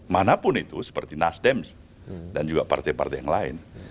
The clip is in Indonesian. manapun itu seperti nasdem dan juga partai partai yang lain